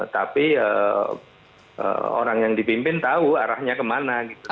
tapi orang yang dipimpin tahu arahnya kemana gitu